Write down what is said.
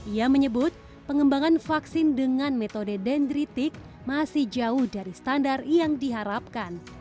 ia menyebut pengembangan vaksin dengan metode dendritik masih jauh dari standar yang diharapkan